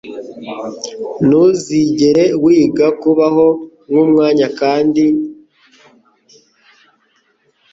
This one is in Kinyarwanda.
ntuzigere wiga kubaho mumwanya kandi niko biri rwose